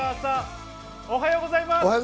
おはようございます。